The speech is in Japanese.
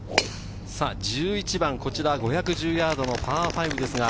１１番、こちら５１０ヤードのパー５です。